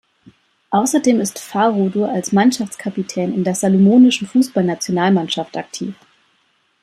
Außerdem ist Fa’arodo als Mannschaftskapitän in der salomonischen Fußballnationalmannschaft aktiv.